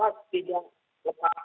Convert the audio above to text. satu catatan negara yang demokratis